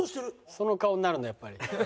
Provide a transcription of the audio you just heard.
その顔になるんだやっぱり。